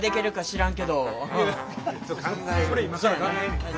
それ今から考えんねん。